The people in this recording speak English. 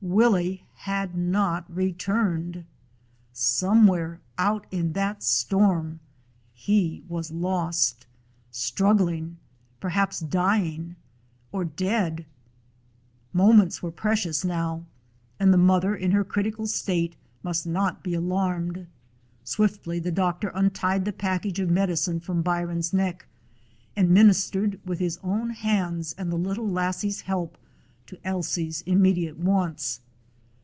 Willie had not returned! Somewhere out in that storm he was lost; struggling, perhaps dying or dead! Moments were precious now, and the mother, in her critical state, must not be alarmed. Swiftly the doctor untied the pack age of medicine from Byron's neck, and min istered with his own hands and the little lassie's help to Ailsie's immediate wants.